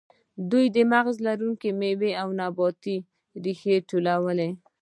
دوی مغز لرونکې میوې او نباتي ریښې ټولولې.